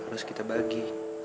harus kita bagi